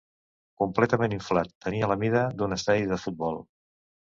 Completament inflat, tenia la mida d'un estadi de futbol.